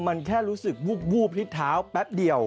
มันแค่รู้สึกวูบพลิกเท้าแป๊บเดียว